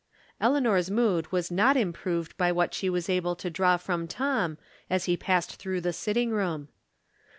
Eleanor's mood was not improved by what she was able to draw from Tom as he passed through the sitting room.